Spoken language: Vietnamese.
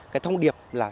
cái thông điệp là